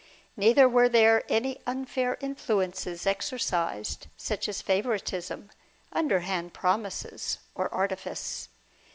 N'either were there any unfair influences exercised, such as favouritism, underhand promises, or artifice.